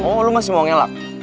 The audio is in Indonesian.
oh lu masih mau ngelak